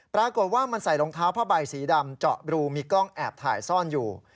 ปรากฏว่ามันใส่รองเท้าผ้าใบสีดำเจาะรูมีกล้องแอบถ่ายซ่อนอยู่